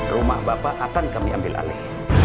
rumah bapak akan kami ambil alih